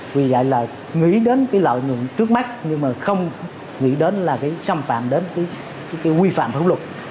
vì vậy là nghĩ đến cái lợi nhuận trước mắt nhưng mà không nghĩ đến là cái xâm phạm đến cái quy phạm pháp luật